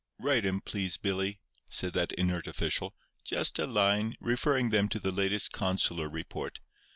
"Write 'em, please, Billy," said that inert official, "just a line, referring them to the latest consular report.